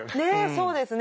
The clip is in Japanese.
そうですね。